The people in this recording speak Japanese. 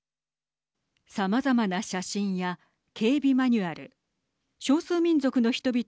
さまざまな写真や警備マニュアル少数民族の人々